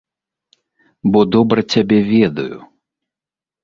Бо добра цябе ведаю.